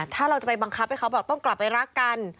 ถ้าเราจะไปบังคับให้เขาบอกต้องกลับไปรักกัน